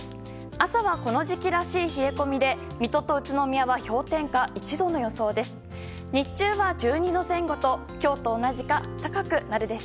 朝は、この時期らしい冷え込みで宇都宮と水戸は氷点下１度の予想です。